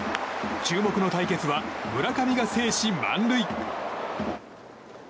注目の対決は村上が制し、満塁。